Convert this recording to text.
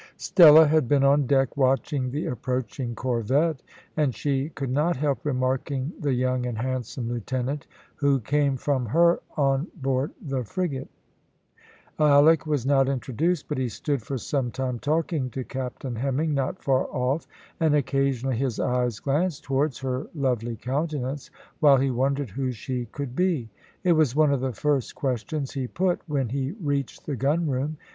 Stella had been on deck, watching the approaching corvette, and she could not help remarking the young and handsome lieutenant who came from her on board the frigate. Alick was not introduced, but he stood for some time talking to Captain Hemming not far off, and occasionally his eyes glanced towards her lovely countenance, while he wondered who she could be. It was one of the first questions he put when he reached the gunroom.